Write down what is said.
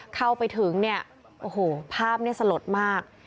เข้าไปถึงเนี่ยภาพสลดมาก